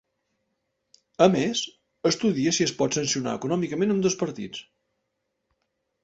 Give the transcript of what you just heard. A més, estudia si es pot sancionar econòmicament ambdós partits.